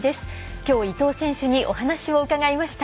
きょう伊藤選手にお話を伺いました。